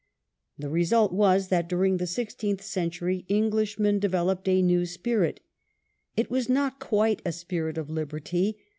The result was that during the sixteenth century Eng lishmen developed a new spirit. It was not quite a spirit of liberty.